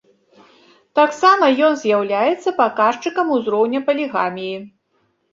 Таксама ён з'яўляецца паказчыкам узроўня палігаміі.